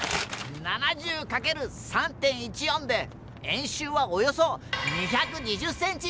７０かける３．１４で円周はおよそ２２０ｃｍ！